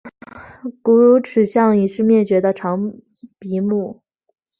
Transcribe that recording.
古乳齿象是已灭绝的长鼻目。